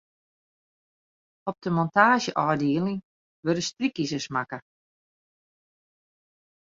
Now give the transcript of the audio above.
Op de montaazjeôfdieling wurde strykizers makke.